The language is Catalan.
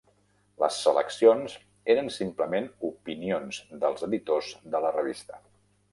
Les seleccions eren simplement opinions dels editors de la revista.